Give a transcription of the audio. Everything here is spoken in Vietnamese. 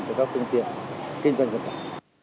của các phương tiện kinh doanh vận tải